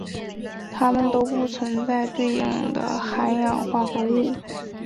它们都不存在对应的含氧化合物。